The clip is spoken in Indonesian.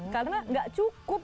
karena gak cukup